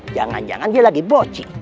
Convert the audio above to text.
jangan jangan dia lagi boci